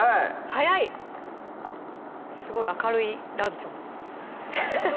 早いすごい明るいランチョン